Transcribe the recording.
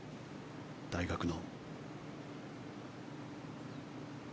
大学の。